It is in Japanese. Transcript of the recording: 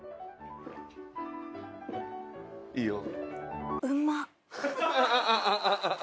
いいよ。